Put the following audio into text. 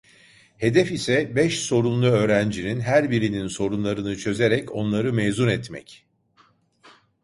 Hedef ise beş sorunlu öğrencinin her birinin sorunlarını çözerek onları mezun etmek.